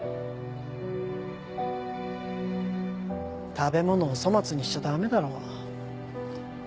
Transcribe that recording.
食べ物を粗末にしちゃダメだろ。